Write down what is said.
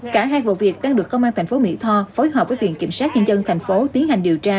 cả hai vụ việc đang được công an thành phố mỹ tho phối hợp với tuyền kiểm soát nhân dân thành phố tiến hành điều tra